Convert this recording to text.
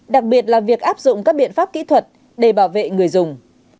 đặc biệt là việc áp dụng các biện pháp kỹ thuật để bảo vệ người dùng